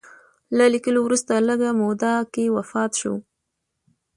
له لیکلو وروسته لږ موده کې وفات شو.